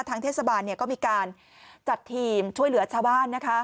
เทศบาลก็มีการจัดทีมช่วยเหลือชาวบ้าน